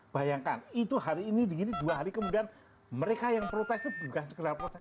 bayangkan itu hari ini di ini dua hari kemudian mereka yang protes itu bukan sekedar protes